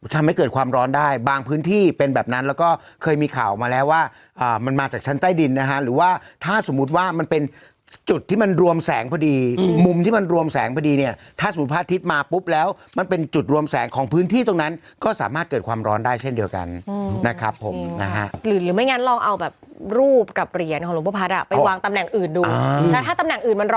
ทำให้เกิดความร้อนได้บางพื้นที่เป็นแบบนั้นแล้วก็เคยมีข่าวมาแล้วว่ามันมาจากชั้นใต้ดินนะฮะหรือว่าถ้าสมมติว่ามันเป็นจุดที่มันรวมแสงพอดีมุมที่มันรวมแสงพอดีเนี่ยถ้าสมมติพระอาทิตย์มาปุ๊บแล้วมันเป็นจุดรวมแสงของพื้นที่ตรงนั้นก็สามารถเกิดความร้อนได้เช่นเดียวกันนะครับผมนะ